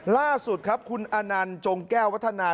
ล่าสุดครับคุณอนันต์จงแก้ววัฒนา